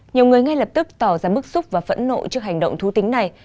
nhiều người ngay lập tức tỏ ra bức xúc và phẫn nộ trước hành động thú tính này